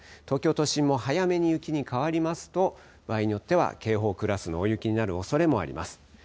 東京都心も早めに雪に変わりますと場合によっては警報クラスの大雪になるおそれもあります。